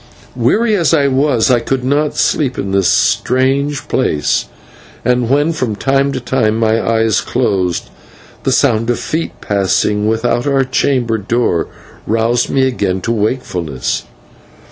Weary as I was, I could not sleep in this strange place, and when, from time to time, my eyes closed, the sound of feet passing without our chamber door roused me again to wakefulness.